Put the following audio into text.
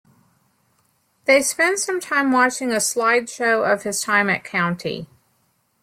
They spend some time watching a slideshow of his time at County.